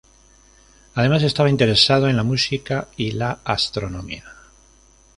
Además estaba interesado en la música y la astronomía.